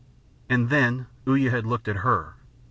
And then Uya had looked at her.